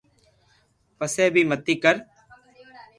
پسي بي متي ڪر